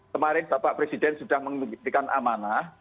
kemarin bapak presiden sudah mengintikan amanah